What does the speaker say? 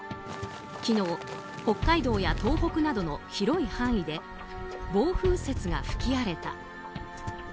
昨日、北海道や東北などの広い範囲で暴風雪が吹き荒れた。